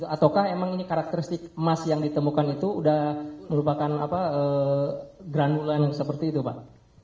ataukah emang ini karakteristik emas yang ditemukan itu sudah merupakan grandwulan seperti itu pak